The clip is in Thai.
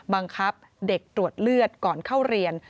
บังคับเด็กตรวจเลือดก่อนเข้าเรียน